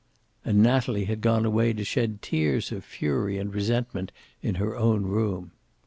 And Natalie had gone away to shed tears of fury and resentment in her own room.